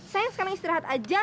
sayang sekarang istirahat aja